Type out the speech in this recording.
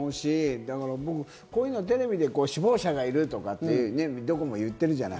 こういうのをテレビで首謀者がいるってどこも言ってるじゃない？